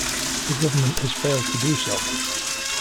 The government has failed to do so.